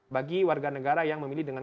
bagi warga negara yang memilih dengan